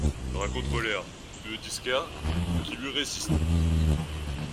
Il rencontre Léa, une disquaire, qui lui résiste.